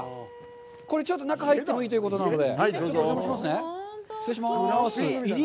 これ、ちょっと中、入ってもいいということなので。